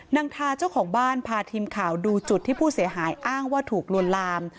นางทาเจ้าของบ้านพาทีมข่าวดูจุดที่ผู้เสียหายอ้างว่าถูกลวนลาม